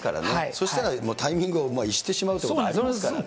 そうしたら、タイミングを逸してしまうということもありますからね。